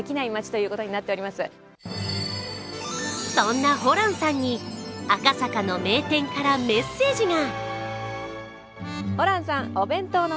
そんなホランさんに、赤坂の名店からメッセージが。